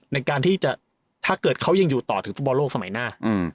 ในการที่จะถ้าเกิดเขายังอยู่ต่อถึงฟุตบอลโลกสมัยหน้า